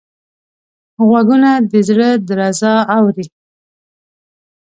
غوږونه د زړه درزا اوري